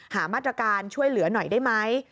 หามาตรการช่วยเหลือหน่อยได้ไหม